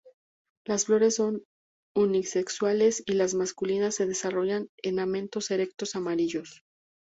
Las flores son unisexuales, y las masculinas se desarrollan en amentos erectos amarillos.